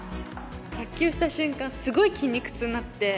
卓球した瞬間、すごい筋肉痛になって。